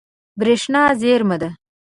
برېښنا زیرمه ده.